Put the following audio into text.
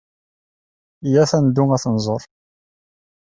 Iyyat ad neddu ad ten-nẓer.